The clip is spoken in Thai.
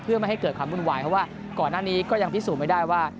เพื่อไม่ให้เกิดความวุ่นวายเพราะว่าก่อนหน้านี้ก็ยังพิสูจน์ไม่ได้ว่า